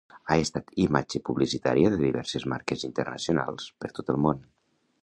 Ha estat imatge publicitària de diverses marques internacionals per tot el món.